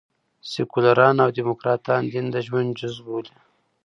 سیکواران او ډيموکراټان دین د ژوند جزء بولي.